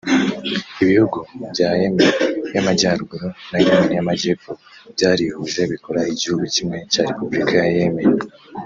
Ibihugu bya Yemen y’amajyaruguru na Yemen y’amajyepfo byarihuje bikora igihugu kimwe cya Repubulika ya Yemen